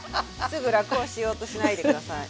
すぐ楽をしようとしないで下さい。